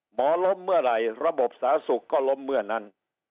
หมอล้มเมื่อไหร่ระบบสาสุกก็ล้มเมื่อนั้น